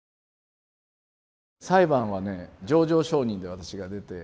裁判はね情状証人で私が出て。